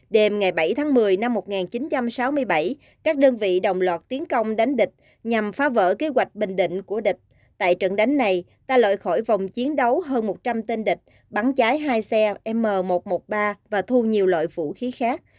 đêm ngày bảy tháng một mươi năm một nghìn chín trăm sáu mươi bảy các đơn vị đồng loạt tiến công đánh địch nhằm phá vỡ kế hoạch bình định của địch tại trận đánh này ta lợi khỏi vòng chiến đấu hơn một trăm linh tên địch bắn trái hai xe m một trăm một mươi ba và thu nhiều loại vũ khí khác